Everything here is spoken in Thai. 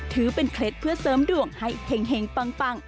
ถือเป็นเคล็ดเพื่อเสริมดวงให้เห็งปัง